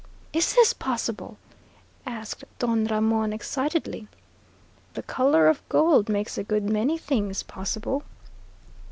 "Is this possible?" asked Don Ramon excitedly. "The color of gold makes a good many things possible."